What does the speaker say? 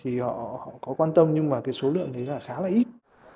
thì họ có quan tâm nhưng số lượng đấy khá là ít